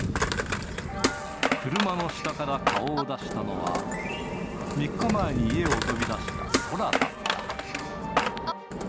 車の下から顔を出したのは、３日前に家を飛び出した宙だった。